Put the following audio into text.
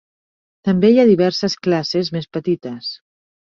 També hi ha diverses classes més petites.